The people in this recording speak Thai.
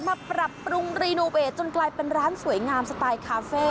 ปรับปรุงรีโนเวทจนกลายเป็นร้านสวยงามสไตล์คาเฟ่